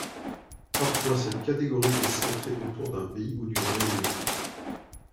Parfois, cette catégorie est centrée autour d’un pays ou d’une région.